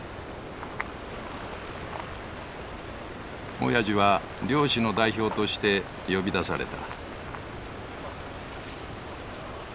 おやじは漁師の代表として呼び出された。